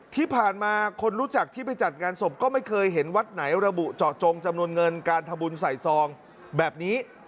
ที่ผ่านมาคนรู้จักที่ไปจัดงานศพก็ไม่เคยเห็นวัดไหนระบุเจาะจงจำนวนเงินการทำบุญใส่ซองแบบนี้